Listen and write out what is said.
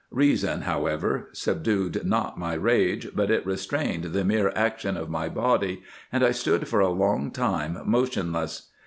Reason, however, subdued not my rage, but it restrained the mere action of my body, and I stood for a long time motionless.